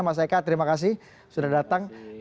mas eka terima kasih sudah datang